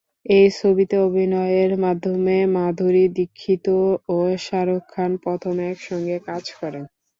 এই ছবিতে অভিনয়ের মাধ্যমে মাধুরী দীক্ষিত ও শাহরুখ খান প্রথম একসঙ্গে কাজ করেন।